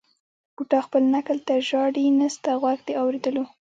بوډا خپل نکل ته ژاړي نسته غوږ د اورېدلو